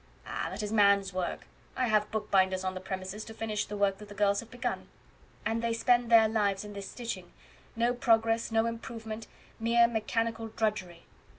"Ah! that is man's work. I have bookbinders on the premises, to finish the work that the girls have begun." "And they spend their lives in this stitching no progress no improvement mere mechanical drudgery."